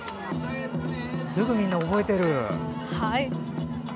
すぐみんな覚えてる。